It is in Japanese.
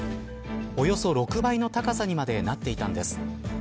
およそ６倍の高さにまでなっていたんです。